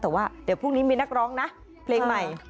แต่ว่าเดี๋ยวพรุ่งนี้มีนักร้องนะเพลงใหม่